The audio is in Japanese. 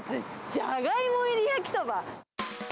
じゃがいも入り焼きそば。